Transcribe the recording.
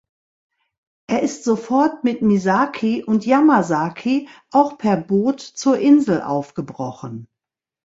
Er ist sofort mit Misaki und Yamazaki auch per Boot zur Insel aufgebrochen.